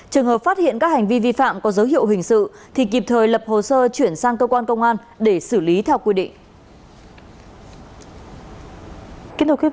trường hợp phát hiện các hành vi vi phạm có dấu hiệu hình sự thì kịp thời lập hồ sơ chuyển sang cơ quan công an để xử lý theo quy định